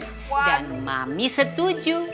dan mami setuju